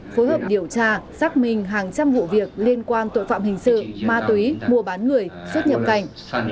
phối hợp điều tra xác minh hàng trăm vụ việc liên quan tội phạm hình sự ma túy mua bán người xuất nhập cảnh